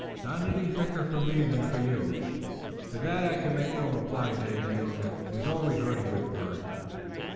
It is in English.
"Not any thicker for me than for you." "To that I can make no reply. Dagaeoga is always ready with words."